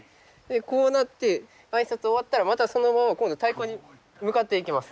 こうなって挨拶終わったらまたそのまま今度太鼓に向かっていきます。